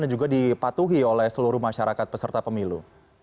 dan juga dipatuhi oleh seluruh masyarakat peserta pemilu